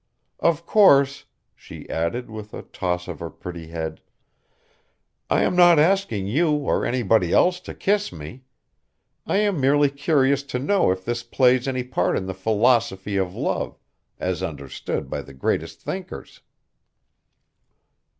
Of course," she added, with a toss of her pretty head, "I am not asking you or anybody else to kiss me. I am merely curious to know if this plays any part in the philosophy of love as understood by the greatest thinkers."